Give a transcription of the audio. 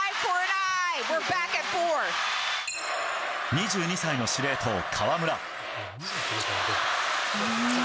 ２２歳の司令塔、河村。